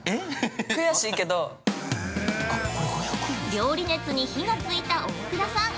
◆料理熱に火がついた大倉さん。